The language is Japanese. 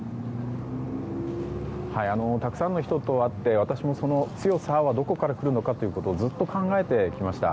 たくさんの人と会って私もその強さはどこから来るのかということをずっと考えてきました。